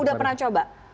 udah pernah coba